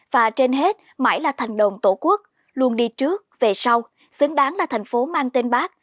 và trên hết mãi là thành đồng tổ quốc luôn đi trước về sau xứng đáng là thành phố mang tên bác